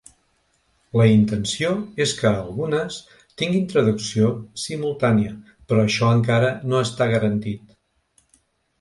La intenció és que algunes tinguin traducció simultània, però això encara no està garantit.